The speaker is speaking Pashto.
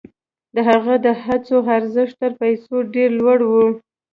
د هغه د هڅو ارزښت تر پیسو ډېر لوړ و.